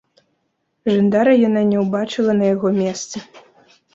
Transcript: Жандара яна не ўбачыла на яго месцы.